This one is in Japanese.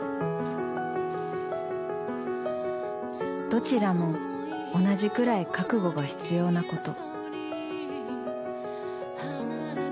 どちらも同じくらい覚悟は必要なこと。